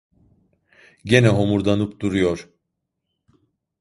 Gene homurdanıp duruyor.